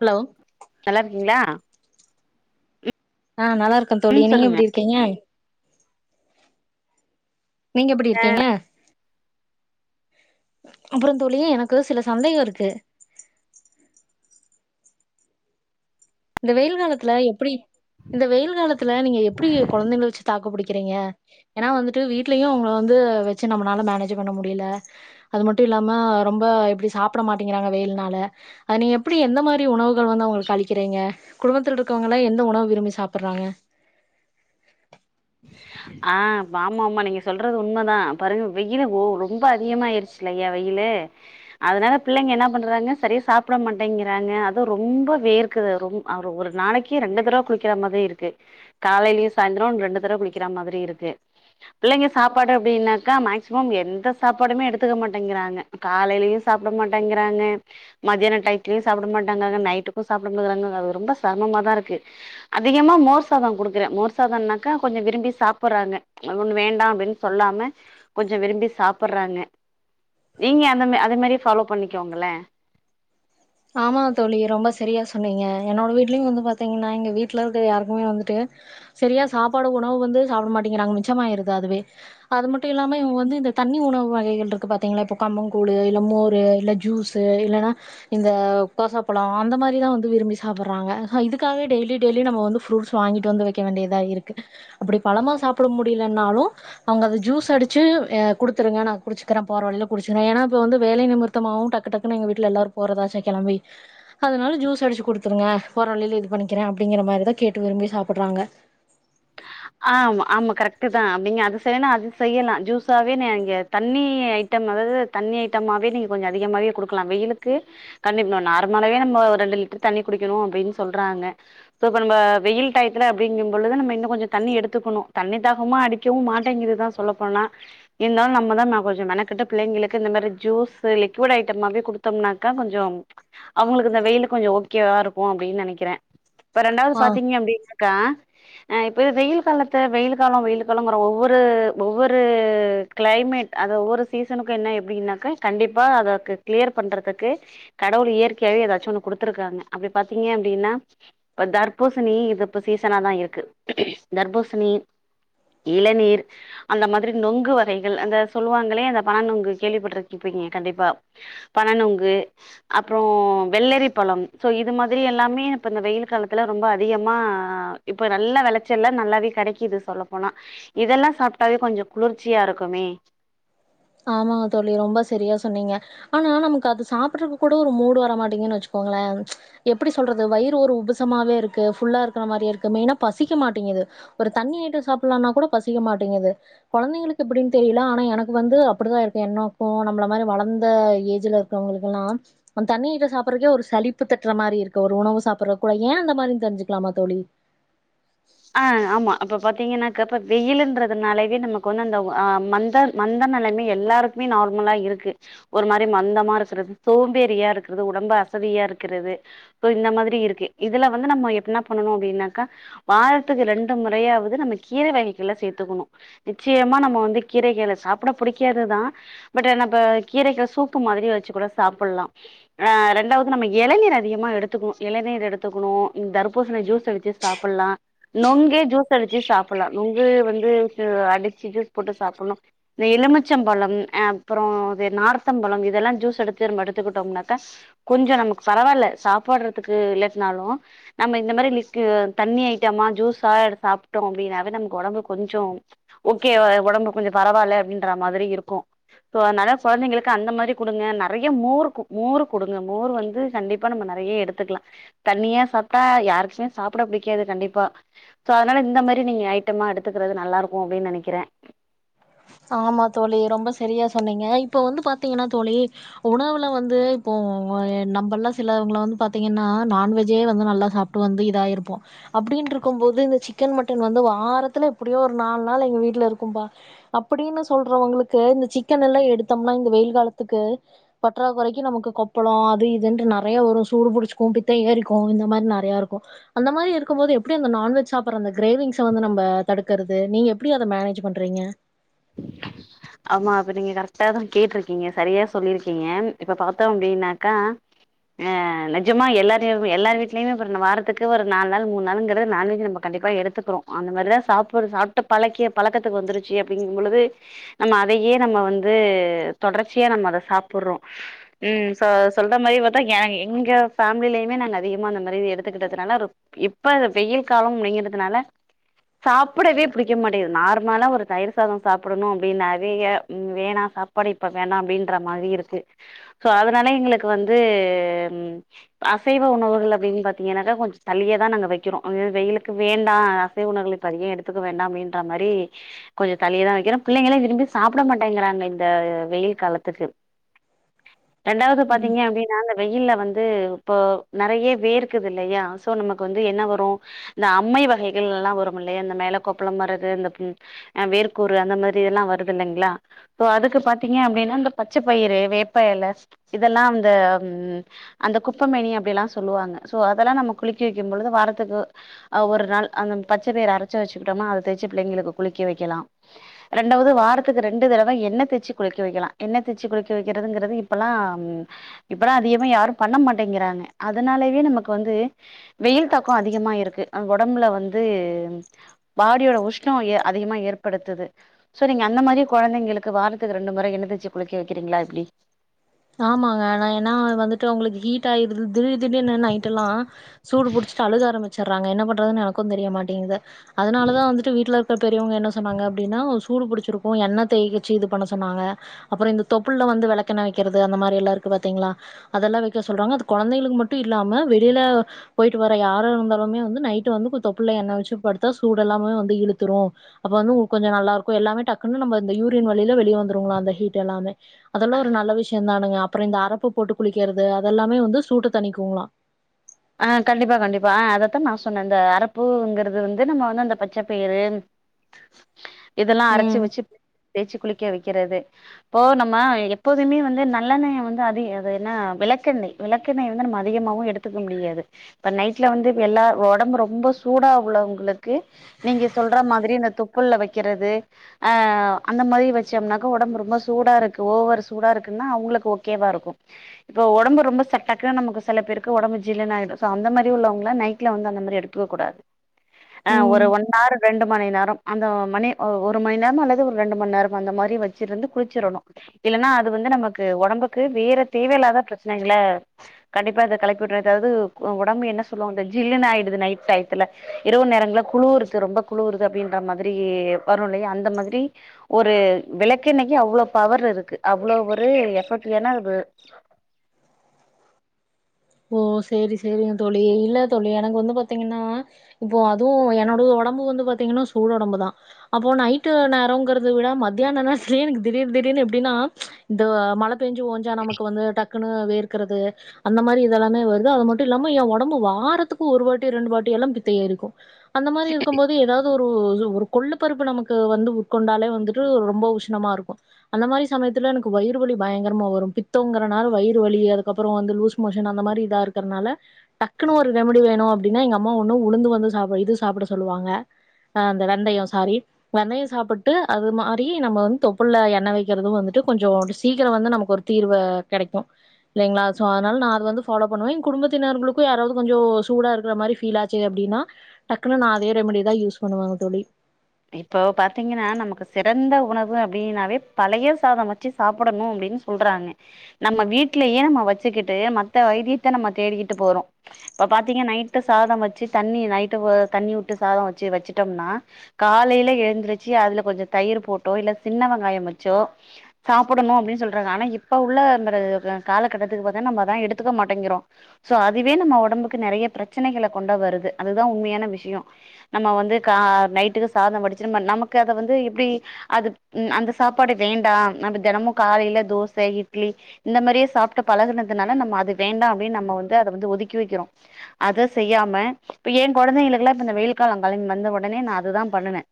hello நல்லாருக்கீங்ளா அ நல்லாருக்கே தோழி ம் நீங்க சொல்லுங்க எப்டி இருக்கீங்க நீங்க எப்டி இருக்கீங்க அப்புற தோழி எனக்கு சில சந்தேக இருக்கு இந்த வெயில் காலத்துல எப்படி இந்த வெயில் காலத்துல நீங்க எப்டி குழந்தைங்கள வச்சு தாக்கு புடிக்கிறீங்க ஏன்னா வந்துட்டு வீட்லயு அவுங்கள வந்து வச்சு நம்மளால மேனேஜ் பண்ண முடியல அது மட்டு இல்லாம ரொம்ப எப்டி சாப்பட மாட்டேங்கிறாங்க வெயில்னால அது நீங்க எப்படி எந்த மாதிரி உணவுகள் வந்து அவங்களுக்கு அளிக் கிறீங்க குடும்பத்தில் இருக்கவங்களா எந்த உணவு விரும்பி சாப்பறாங்க ஆ ஆமாம்மா நீங்க சொல்றது உண்மைதா பாருங்க வெயில் ஓ ரொம்ப அதிகமாயிருச்சு இயா வெயிலு அதனால பிள்ளைங்க என்ன பண்றாங்க சரியா சாப்பிட மாட்டேங்கிறாங்க அதுவு ரொம்ப வேர்க்குது ம்அரு ஒரு நாளைக்கு ரெண்டு தடவ குளிக்கிற மாரிருக்கு காலையிலயும் சாய்ந்தர ரெண்டு தடவை குளிக் கிர மாதிரி இருக்கு பிள்ளைங்க சாப்பாடு அப்டின்னாக்க மேக்சிமம் எந்த சாப்பாடுமே எடுத்துக்க மாட்டேங்கிறாங்க காலைலயு சாப்ட மாட்டேங்கிறாங்க மதியான டைத்லயு சாப்பட மாட்டங்க நைட்டுக்கு சாப்பட மாட்டங்கக ரொம்ப செரமமா தா இருக்கு அதிகமா மோர் சாத கொடுக்கறே மோர் சாதம்னாக்கா கொஞ்ச விரும்பி சாப்புடுறாங்க அவுங்க வேண்டா அப்டின்னு சொல்லாம கொஞ்ச விரும்பி சாப்பறாங்க நீங்க அந்த அதே மாரி ப பாலோ பண்ணிக்கோங்களே ஆமா தோழி ரொம்ப சரியா சொன்னீங்க என்னோட வீட்லயு வந்து பாத்தீங்கன்னா எங்க வீட்டுல இருக்க யாருக்குமே வந்துட்டு சரியா சாப்பாடு உணவு வந்து சாப்பிட மாட்டேங்கிறாங்க மிச்சமாயிருது அதுவே அது மட்டும் இல்லாம இவங்க வந்து இந்த தண்ணி உணவு வகைகள் இருக்கு பாத்தீங்கன்னா இப்போ கம்பம் கூலு இல்ல மோரு இல்ல ஜூஸ்சு இல்லன்னா- இந்த கோசாப்பழ அந்த மாரிதா வந்து விரும்பி சாப்பிட்றாங்கஸோ இதுக்காகவே டெய்லி டெய்லி நம்ம வந்து ஃப்ரட்ஸ் வாங்கிட்டு வந்து வைக்க வேண்டியதா இருக்குது அப்டி பழமாக சாபட முடியிலனாலு அவங்க அத ஜூஸ் அடிச்சு குடுத்துருங்க நா குடிச்சுக்கிறே போற வழியில குடிச்சிறே ஏன்னா இப்போ வந்து வேலை நிமித்தமாகவு டக்கு டக்குன்னு எங்க வீட்டில எல்லோரு போறதாச்சா கெளம்பி அதனால ஜூஸ் அடிச்சு குடுத்துருங்க போற வழியில இது பண்ணிக்கிறே அப்டிங்கிற மாரிதா கேட்டு விரும்பி சாப்புறாங்க ஆ ஆமா கரெக்ட் தா அப்படிங்க அது சரி நா அது செய்யலா ஜூஸாவே இங்க தண்ணி ஐட்டம் அதாவது தண்ணி ஐட்டமாவே நீங்க கொஞ்சம் அதிகமாவே குடுக்கலா வெயிலுக்கு கண்டிப்பணு நார்மலாவே நம்ம ஒரு ரெண்டு லிட்டர் தண்ணி குடிக்கணு அப்டின்னு சொல்றாங்க சோ இப்ப நம்ம வெயில் டய்த்துல அப்படிங்கு பொழுது நம்ம இன்னு கொஞ்ச தண்ணி எடுத்துக்கணு தண்ணி தாகமா அடிக்கவு மாட்டேங்கதுதா சொல்லப்போனா இருந்தாலு நம்மதா கொஞ்ச மெனக்கட்டு பிள்ளைங்களுக்கு இந்த மாரி ஜூஷு லிக்விட் ஐட்டம்மாவே குடுத்தோம்னாக்க கொஞ்சம் அவங்களுக்கு இந்த வெயில கொஞ்ச ஓகேவா இருக்கு அப்டின்னு நினைக்கிறே இப்ப ரெண்டாவது ஆ பாத்தீங்க அப்படின்னா க்கா அ இப் இப்போ இது வெயில் காலத்தை வெயில் கால வெயில் காலங்கிறொ ஒவ்வொரு ஒவ்வொரு கிளைமேட் அதது ஒவ்வொரு சீசனுக்கு என்ன எப்படின்னாக்கா கண்டிப்பா அததுக்கு கிளியர் பண்றதுக்கு கடவுள் இயற்கையாவே ஏதாச்சு ஒண்ணு குடுத்துருக்காங்க அப்படி பாத்தீங்க அப்டின்னா இப்ப தர்பூசணி இது இப்ப சீசனா தா இருக்கு தர்பூசணி இளநீர் அந்த மாதிரி நொங்கு வகைகள் அந்த சொல்லுவாங்களே அந்த பனநொங்கு கேள்விப்பட்டிருக்கப்பீங்க கண்டிப்பா பனநொங்கு அப்புறோ வெள்ளரி பழம் சோ இது மாதிரி எல்லாமே இப்ப இந்த வெயில் காலத்துல ரொம்ப அதிகமா இப்ப நல்லா வெளச் ச்செல்லா நல்லாவே கெடைக்கிது சொல்ல போனா இதெல்லா சாப்ட்டாவே கொஞ்ச குளிர்ச்சியா இருக்குமே ஆமாங்க தோழி ரொம்ப சரியா சொன்னீங்க ஆனா நமக்கு அது சாப்பறதுக்கு கூட ஒரு மூடு வரமாட்டீங்கன்னு வச்சுக்கோங்களே எப்டி சொல்றது வயிறு ஒரு உப்புசமாவே இருக்கு ஃபுல்லா இருக்கிற மாரியே இருக்கு மெயினா பசிக்க மாட்டேங்குது ஒரு தண்ணி ஐட்டொ சாப்லனா கூட பசிக்க மாட்டேங்குது கொழந்தைங்களுக்கு எப்டின்னு தெரியல ஆனா எனக்கு வந்து அப்படிதான் இருக்கு என்னாக்கும் நம்மள மாதிரி வளர்ந்த ஏஜல இருக்கவங்களுக்கு எல்லாம் அந்த தண்ணிஐட்டோ சாப்பிறதுக்கே ஒரு சழிப்பு தட்டுற மாதிரி இருக்கு ஒரு உணவு சாப்பிடற கூட ஏன் அந்த மாதிரி தெரிஞ்சுக்கலாமா தோழி ஆ ஆமா இப்ப பாத்தீங்கன்னாக்கப்ப வெயிலுன்றதுனாலவே நமக்கு வந்து அந்தஆ மந்த மந்த நெலைமை எல்லாருக்குமே நார்மலா இருக்கு ஒரு மாரி மந்தமா இருக்கிறது சோம்பேறியா இருக்கிறது உடம்பு அசதியா இருக்கிறது சோ இந்த மாரி இருக்கு இதுல வந்து நம்ம எப்ன்ன பண்ணுவோ அப்டின்னாக்கா வாரத்துக்கு ரெண்டு முறையாவது நம்ம கீரை வகைகளை சேத்துக்கணு நிச்சயமா நம்ம வந்து கீரை களை சாப்பட பிடிக்காதுதா பட் நம்ம கீரைக்கள சூப்பு மாரிய வச்சு கூட சாப்பிடலா ஆஹ் ரெண்டாவது நம்ம இளநீர் அதிகமாக எடுத்துக்கணு இளநீர் எடுத்துக்கணு தர்பூசணி ஜூஸ் அடிச்சு சாப்புலா நொங்கே ஜூஸ் அடிச்சு சாப்பலா நுங்கு வந்து அடிச்சு ஜூஸ் போட்டு சாப்பணு இந்த எலுமிச்சம்பழம் அ அப்புறம் நார்த்தம்பழம் இதெல்லா ஜூஸ் அடுச்சு நம்ம எடுத்துக்கிட்டோம்னாக்க கொஞ்ச நமக்கு பரவாயில்ல சாப்பாடுறதுக்கு இல்லட்னாலு நம்ம இந்த மாரி லிக்கு தண்ணிய ஐட்- இதமா ஜுஸா சாப்ட்டோ அப்டின்னாவே நமக்கு உடம்பு கொஞ்ச ஓகே ஒடம்பு கொஞ்ச பரவால்ல அப்டின்ற மாதிரி இருக்கும் சோ அதனால குழந்தைங்களுக்கு அந்த மாதிரி குடுங்க நெறைய மோர் மோர்ரு குடுங்க மோர் வந்து கண்டிப்பா நம்ம நெறைய எடுத்துக்கலா தண்ணியா சாப்ட்டா யாருக்குமே சாப்பிட பிடிக்காது கண்டிப் ப்ப சோ அதனால இந்த மாரி நீங்க ஐட்டமா எடுத்துக்கறது நல்லாருக்கு அப்டின்னு நெனைக்கிறே ஆமா தோழி ரொம்ப சரியா சொன்னீங்க இப்போ வந்து பாத்தீங்கன்னா தோழி உணவுல வந்து இப்போ நம்மல்லா சிலவங்கள வந்து பாத்தீங்கன்னா நான்வெஜ்ஜே வந்து நல்லா சாப்ட்டு வந்து இதாயிருப்போ அப்டினு இருக்கும் போது இந்த சிக்கன் மட்டன் வந்து வாரத்துல எப்டியோ ஒரு நாலு நாள் எங்க வீட்டுல இருக்கும்பா அப்டின்னு சொல்றவங்களுக்கு இந்த சிக்கன் எல்லா எடுத்தம்னா இந்த வெயில் காலத்துக்கு பற்றாக்குறைக்கு நமக்கு கொப்பள அது இதுன்டு நெறைய வரு சூடு புடிச்சக்கும் பித்த ஏரிக்கு இந்த மாரி நெறையா இருக்கு அந்த மாரி இருக்கு போது எப்டி அந்த நான்வெஜ் சாப்பற அந்த கிரேவிங்ஸ வந்து நம்ம தடுக்கறது நீங்க எப்டி அத மேனேஜ் பண்றீங்க ஆமா இப்ப நீங்க கரெக்டா தான் கேட்ருக்கீங்க சரியா சொல்லியிருக்கீங்க இப்ப பாத்தோ அப்டின்னாக்கா ஆ நெஜமா எல்லாரு எல்லார் வீட்லயுமே பாருங் வாரத்துக்கு ஒரு நாலு நாள் மூணு நாளுங்கிறது நான்வெஜ் நம்ம கண்டிப்பா எடுத்துக்கிறோ அந்த மாதிரிதா சாப்பிடு சாப்பிட்டு பழக்கிய பழக்கத்துக்கு வந்துருச்சு அப்படிங்கும் பொழுது நம்ம அதையே நம்ம வந்து தொடர்ச்சியா நம்ம அதை சாப்படுறோ ம் சொ சொல்ற மாரி பாத்தா ஏ எங்க ஃபேமிலயுமே நாங்க அதிகமா அந்த மாரி எடுத்துக்கிட்டதுனால ரொ இப்போ வெயில் கால அப்டிங்கறதுனால சாப்படவே பிடிக்க மாட்டேங்து நார்மலா ஒரு தயிர் சாத சாப்படணு அப்பின்னு நெறைய வேணா சாப்பாடு இப்ப வேணா அப்படின்ற மாரி இருக்கு அதனால எங்களுக்கு வந்து அசைவ உணவுகள் அப்டின் பாத்தீங்கன்னாக்கா கொஞ்ச தள்ளியதா நாங்க வக்கிறோ வெயிலுக்கு வேண்டா அசைவ உணவுகள் இப்ப அதிக எடுத்துக்க வேண்டா அப்டின்ற மாரி கொஞ்ச தள்ளியதா வைக்கிறோ பிள்ளைங்களா விரும்பி சாப்ட மாட்டேங்கிறாங்க இந்த வெயில் காலத்துக்கு ரெண்டாவது ம் பாத்தீங்க அப்டின்னா வெயில்ல வந்து இப்போ நெறைய வேர்க்குதுல்லையா சோ நமக்கு வந்து என்ன வரு இந்த அம்மை வகைகள் எல்லா வருமில்லையா இந்த மேல கொப்பளம் வரது இந்த வேர்கூறு அந்த மாரி இது இதெல்லா வருதுல்லைங்களா சோ அதுக்கு பாத்தீங்க அப்டின்னா இந்த பச்ச பயிறு வேப்ப எல இதெல்லா அந்த அந்த குப்பமனி அப்டில்லா சொல்லுவாங்க சோ அதெல்லா நம்ம குளிக்க வைக்கும்பொழுது வாரத்துக்கு அ ஒரு நாள் அந்த பச்ச பயிறு அரச்சி வச்சுக்கிட்டோனா அத தேச்சு பிள்ளைங்களுக்கு குளிக்க வைக்கலா ரெண்டாவது வாரத்துக்கு ரெண்டு தடவ எண்ண தேச்சு குளிக்க வைக்கலா எண்ண தேச்சு குளிக்க வைக்கிறதுங்கிறது இப்பல்லா இப்பல்லா அதிகமா யாரு பண்ண மாட்டேங்கிறாங்க அதனாலயே நமக்கு வந்து வெயில் தாக்கோ அதிகமா இருக்கு அங்க ஒடம்புல வந்து பாடியோட உஷ்ணோ அதிகமா ஏற்படுத்துது சோ நீங்க அந்த மாரி கொழந்தைங்களுக்கு வாரத்துக்கு ரெண்டு முறை என்ன தேச்சு குளிக்க வைக்கிறீங்களா எப்டி ஆமாங்க நா ஏனா வந்துட்டு அங்களுக்கு ஹீட் ஆய்ருது தி திடீனு நைட்டெல்லா சூடு புடிச்சிட்டு அழுக ஆரம்பிச் சர்றாங்க என்ன பண்றதுன் எனக்கு தெரிய மாட்டிங்குது அதனால தா வந்துட்டு வீட்ல இரு பெரியவங்க என்ன சொன்னாங்க அப்டின்னா சூடு புடிச்சிருக்கு எண்ண தேய்யச்சு இது பண்ண சொன்னாங்க அப்புறோ இந்த தொப்புள்ள வந்து வெளக்கென்ன வெக்கிறது அந்த மாரி எல்லா இருக்கு பாத்தீங்களா அதெல்லா வெக்க சொல்றாங்க அது கொழந்தைங்களுக்கு மட்டு இல்லாம வெளில போய்ட்டு வர யாரா இருந்தாலுமே வந்து நைட்டு வந்து தொப்புல எண்ணய் வச்சு படுத்தா சூடு எல்லாமே வந்து இழுத்துரு அப்ப வந்து உங் கொஞ்சோ நல்லா இருக்கு எல்லாமே டக்குன்னு நம்ம இந்த யூரியன் வழில வெளிய வந்துருங்களா அந்தஹீட் எல்லாமே அதெல்லா ஒரு நல்ல விஷ் நானுங்க அப்றோ இந்த அரப்பு போட்டு குளிக்கிறது அதெல்லாமே வந்து சூட்ட தணிக்குங்ளா அ கண்டிப்பா கண்டிப்பா அ அதத்தா நா சொன்ன இந்த அரப்புங்கிறது வந்து நம்ம வந்து அந்த பச்சப்பயிரு இதெல்லா அரச்சு ம் வச்சு தேச்சு குளி க வைக்கிறது இப்போ நம்ம எப்போதுமே வந்து நல்லெண்ணய வந்து அதி அது என்ன விளக்கெண்ணெய் விளக்கெண்ணெய் வந்து நம்ம அதிகமாவு எடுத்து முடியாது இப்ப நைட்ல வந்து எல்லா ஒடம்பு ரொம்ப சூடா உள்ளவங்களுக்கு நீங்க சொல்ற மாதிரி இந்த தொப்புல்ல வைக்கிறது அ அந்த மாரி வச்சோம்னாக்க ஒடம்பு ரொம்ப சூடா இருக்கு ஒவர் சூடா இருக்குன்னா அவங்களுக்கு ஓகேவா இருக்கு இப்ப ஒடம்பு ரொம்ப சட்டக்கு நமக்கு செல பேருக்கு ஒடம்பு ஜில்லூ ஆயிடும் சோ அந்த மாரி உள்ளவங்கலா நைட்ல வந்து அந்த மாரி எடுத்துக்க கூடாது ஆ ஒரு ம் ஒன் னார் ரெண்டு மணி நேரம் அந்த மணி ஒரு மணி நேரம் அல்லது ஒரு ரெண்டு மணி நேரம் அந்த மாரி வச்சிருந்து குளிச்சிறணு இல்லன்னா அது வந்து நமக்கு ஒடம்புக்கு வேற தேவையில்லாத பிரச்சனைகள கண்டிப்பா இத கலப்பிவுடு அதாவது ஒடம்பு என்ன சொல்லு இந்த ஜில்லுன் ஆய்டுது நைட் டைத்துல இரவு நேரங்கள்ல குழுருது ரொம்ப குழுருது அப்டின்ற மாதிரி வரு இல்லையா அந்த மாதிரி ஒரு விளக்கென்னைக்கு அவ்ளோ பவர் இருக்கு அவ்ளோ ஒரு எபெக்ட் [unintelligible] ஓ சேரி சேரிங்க தோழி இல்ல தோழி எனக்கு வந்து பாத்தீங்கன்னா இப்போ அதுவு என்னோடது ஒடம்பு வந்து பாத்தீங்கனா சூடு ஒடம்பு தா அப்போ நைட்டு நேரோங்கறது விட மத்தியான நேரத்துலய எனக்கு திடீர் திடீர்ன் எப்டினா இந்த மல பெஞ்சு ஓஞ்சா நமக்கு வந்து டக் குனு வேர்க்குறது அந்த மாரி எல்லாமே வருது அது மட்டு இல்லாம எ ஓடம்பு வாரத்துக்கு ஒரு வாட்டி ரெண்டு வாட்டி எல்லாம் பித்தையாயிருக்கும் அந்த மாரி இருக்கம்‌ போது ஏதாவது ஒரு ஒரு கொள்ளு பருப்பு நமக்கு வந்து உட்கொண்டாலே வந்துட்டு ரொம்ப உஷ்ணமா இருக்கு அந்த மாரி சமயத்துல எனக்கு வயிறு வலி பயங்கரமா வரும் பித்தோங்கறனால வயிறு வலி அதுக்கப்புறோ வந்ததும் லூஸ் மோசன் ன் அந்த மாரி இதா இருக்கறனால டக்குனு ஒரு ரெமடி வேணு அப்டினா எங்க அம்மா ஒன்னு உளுந்து வந்து சாப் இது சாப்ட சொல்லுவாங்க அ அந்த வெந்தயோ சாரி வெந்தயோ சாப்புட்டு அது மாரி நம்ம வந்து தொப்புள்ள எண்ண வெக்கிறது வந்துட்டு கொஞ்சோ சீக்கிரோ வந்து நமக்கு ஒரு தீர்வ கடைக்கு இல்லைங்களா சோ அதனால நா அது வந்து ஃபாலோ பண்ணுவ எங்க குடும்பத்தினர்களுக்கு யாராவது கொஞ்சோ சூடா இருக்கற மாரி ஃபீல் ஆச்சு அப்டின்னா டக்குனு நா அதே ரெமிடி தா யூஸ் பண்ணுவங்க தோழி இப்போ பாத்தீங்கனா நமக்கு சிறந்த உணவு அப்டினாவே பழைய சாதம் வச்சு சாப்டணு அப்டின் சொல்றாங்க நம்ம வீட்லயே நம்ம வச்சுக்கிட்டு மத்த வைத்தியத்த நம்ம தேடிக்கிட்டு போறோ இப்ப பாத்தீங்க நைட்டு சாதம் வச்சி தண்ணி நைட்டு தண்ணி வுட்டு சாதம் வச்சு வச்சுட்டம்னா காலைல எழுந்திரிச்சு அதுல கொஞ்சோ தயிர் போட்டோ இல்ல சின்ன வெங்காயம் வச்சோ சாப்புடணு அப்டின் சொல்றாங்க ஆனா இப்ப உள்ள காலக்கட்டத்துக்கு பாத்தா நம்மதா எடுத்துக்க மாட்டேங்கிறோ சோ அதுவே நம்ம உடம்புக்கு நெறைய பிரச்சனைகள கொண்டு வருது அதுதா உண்மையான விஷயோ நம்ம வந்து கா நைட்டுக்கு சாதோ வடிச்சு நம் நமக்கு அத வந்து எப்டி அது அந்த சாப்பாடு வேண்டா‌ நம்ம தெனமு காலைல தோச இட்லி இந்த மாரியே சாப்ட்டு பழகுனதுனால நம்ம அது வேண்டா அப்டின் நம்ம வந்து அத வந்து ஒதுக்கி வெக்கிறோ அத செய்யாம இப்ப ஏ கொழந்தைங்களுக்கெல்லா இப்ப இந்த வெயில் காலோ கல வந்த ஒடனே நா அதுதா பண்ணுவ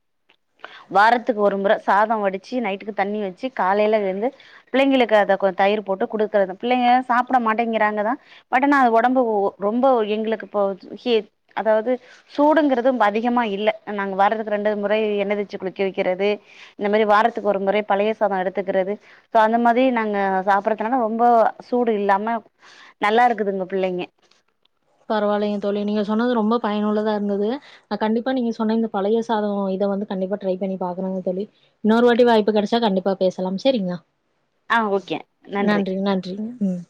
வாரத்துக்கு ஒரு முறை சாதோ வடிச்சு நைட்டுக்கு தண்ணி வச்சு காலைல எழுந்து பிள்ளைங்களுக்கு அத கொ தயிர் போட்டு குடுக்கறது பிள்ளைக சாப்ட மாட்டேங்கிறாங்க தா பட் ஆனா அது ஒடம்பு ரொம்போ எங்களுக்கு இப்போ ஹீட் அதாவது சூடுங்குறதும் அதிகமா இல்ல நாங்க வர ரெண்டு முறை எண்ணெய் தேச்சு குளிக்க வைக்கிறது இந்த மாரி வாரத்துக்கு ஒரு முறை பழைய சாதோ எடுத்துக்கிறது சோ அந்த மாதி நாங்க சாப்பிடுறதுனால ரொம்போ சூடு இல்லாம நல்லா இருக்குதுங்க பிள்ளைங்க பரவால்லைங்க தோழி நீங்க சொன்னது ரொம்ப பயனுள்ளதா இருந்தது ஆ கண்டிப்பா நீங்க சொன்ன இந்த பழய சாதோ இத வந்து கண்டிப்பா ட்ரை பண்ணி பாக்குறங்க தோழி இன்னொரு வாட்டி வாய்ப்பு கடைச்சா கண்டிப்பா பேசலாம் சேரிங்களா ஆ ஓகே நன்றி நன்றிங்க நன்றிங்க ம்